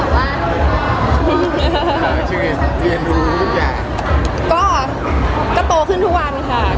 น้องแฟนเป็นยังไงบ้างจำนักแบบว่าเรียนรู้ทุกอย่าง